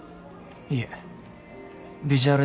いえビジュアル